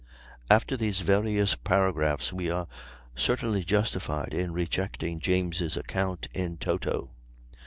After these various paragraphs we are certainly justified in rejecting James' account in toto.